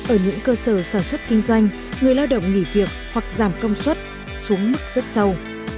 ở những cơ sở sản xuất kinh doanh người lao động nghỉ việc hoặc giảm công suất xuống mức rất sâu